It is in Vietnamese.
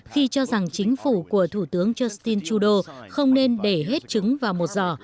khi cho rằng chính phủ của thủ tướng justin trudeau không nên để hết trứng vào một giỏ